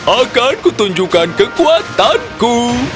akanku tunjukkan kekuatanku